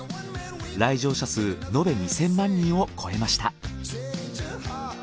来場者数延べ２，０００万人を超えました。